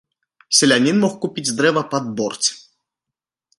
Селянін мог купіць дрэва пад борць.